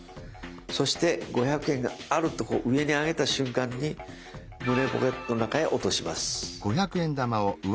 そして五百円があるとこう上にあげた瞬間に胸ポケットの中へ落とします。